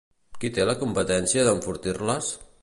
Qui té la competència d'enfortir-les?